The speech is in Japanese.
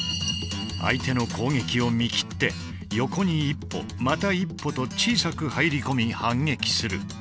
相手の攻撃を見切って横に一歩また一歩と小さく入り込み反撃する。